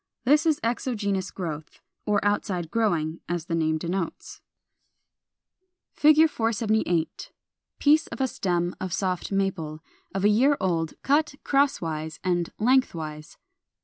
This is exogenous growth, or outside growing, as the name denotes. [Illustration: Fig. 478. Piece of a stem of Soft Maple, of a year old, cut crosswise and lengthwise.